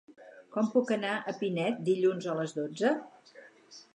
Com puc anar a Pinet dilluns a les dotze?